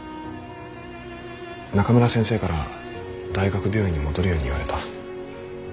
中村先生から大学病院に戻るように言われた。